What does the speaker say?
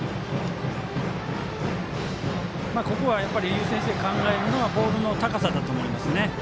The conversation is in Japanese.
優先して考えるのはボールの高さだと思います。